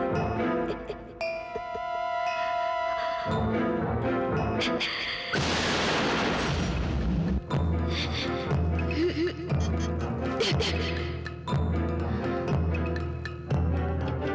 malah mereka terserah di hujan pertama